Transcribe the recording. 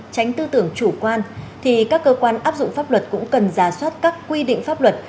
tránh tư tưởng chủ quan thì các cơ quan áp dụng pháp luật cũng cần giả soát các quy định pháp luật